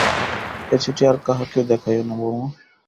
এ চিঠি আর কাহাকেও দেখাইয়ো না, বউমা।